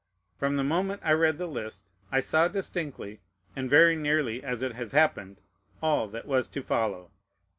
From the moment I read the list, I saw distinctly, and very nearly as it has happened, all that was to follow.